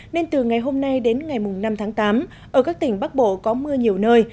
nên từ ngày hôm nay đến ngày năm tháng tám ở các tỉnh bắc bộ có mưa nhiều nơi